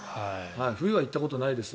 冬は行ったことないです。